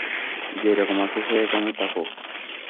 যেরকম আছে সেরকমই থাকুক।